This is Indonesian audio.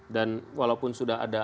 dan walaupun sudah ada